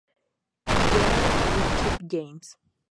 James y Kip James.